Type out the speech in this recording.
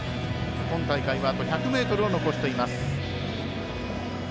今大会は、あと１００ｍを残しています。